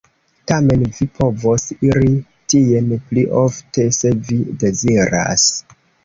Tamen vi povos iri tien pli ofte, se vi deziras.